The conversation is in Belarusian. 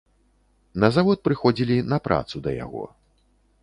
На завод прыходзілі на працу да яго.